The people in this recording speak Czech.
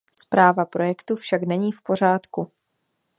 Správa projektu však není v pořádku.